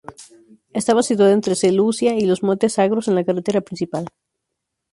Estaba situada entre Seleucia y los montes Zagros, en la carretera principal.